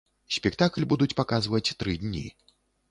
Спектакль будуць паказваць тры дні.